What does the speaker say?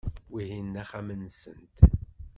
Wihin d axxam-nsent.